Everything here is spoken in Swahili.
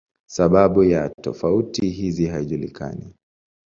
Sababu ya tofauti hizi haijulikani.